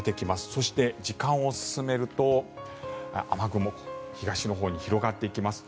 そして、時間を進めると雨雲東のほうに広がっていきます。